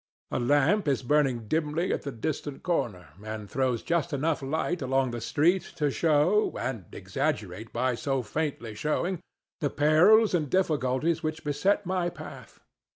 A lamp is burning dimly at the distant corner, and throws just enough of light along the street to show, and exaggerate by so faintly showing, the perils and difficulties which beset my path.